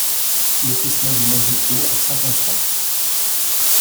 Lotissement du Mazet Haut à Saint-Constant